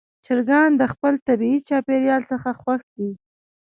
چرګان د خپل طبیعي چاپېریال څخه خوښ دي.